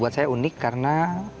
buat saya unik karena